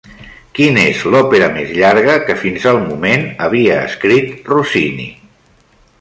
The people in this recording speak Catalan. Quina és l'òpera més llarga que fins al moment havia escrit Rossini?